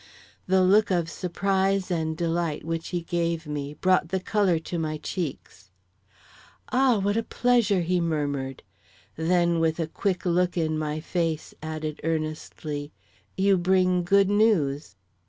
The look of surprise and delight which he gave me brought the color to my cheeks. "Ah, what a pleasure!" he murmured. Then with a quick look in my face, added earnestly, "You bring good news."